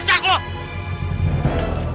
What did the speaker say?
lu kenapa dengerin gua